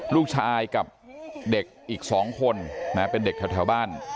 ลูกชายกับเด็กอีก๒คนเป็นเด็กแถวบ้าน